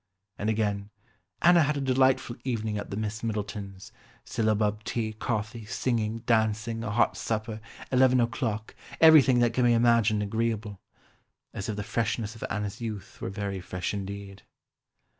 And again, "Anna had a delightful evening at the Miss Middletons, syllabub, tea, coffee, singing, dancing, a hot supper, eleven o'clock, everything that can be imagined agreeable," as if the freshness of Anna's youth were very fresh indeed.